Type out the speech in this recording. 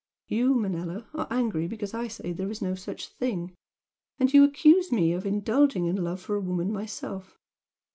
You, Manella, are angry because I say there is no such thing and you accuse me of indulging in love for a woman myself.